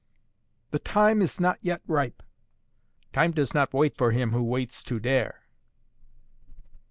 "The time is not yet ripe." "Time does not wait for him who waits to dare."